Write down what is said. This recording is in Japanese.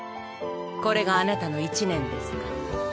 これがあなたの１年ですか。